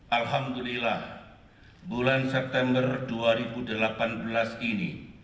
alhamdulillah bulan september dua ribu delapan belas ini